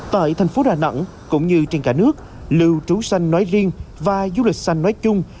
tại thành phố đà nẵng cũng như trên cả nước lưu trú xanh nói riêng và du lịch xanh nói chung